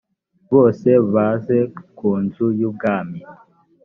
bose baze ku nzu y ubwami